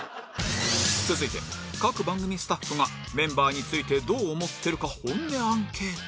続いて各番組スタッフがメンバーについてどう思ってるか本音アンケート